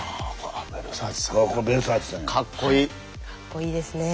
かっこいいですね。